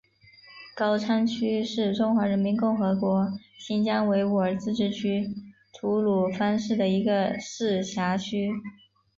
高昌区是中华人民共和国新疆维吾尔自治区吐鲁番市的一个市辖区。